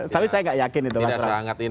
tapi saya nggak yakin itu mas pram